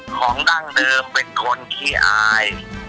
ของดั้งเดิมเป็นคนขี้อาย